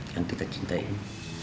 yang kita cintai